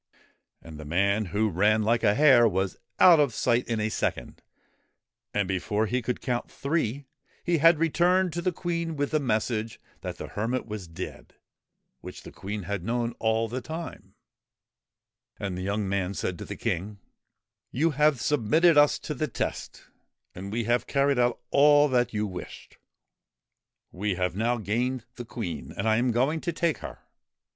And the man who ran like a hare was out of sight in a second, and before they could count three he had returned to the Queen with the message that the hermit was dead, which the Queen had known all the time. And the young man said to the King : 28 THE QUEEN OF THE MISSISSIPPI ' You have submitted us to the test, and we have carried out all that you wished : we have now gained the Queen, and I am going to take her.'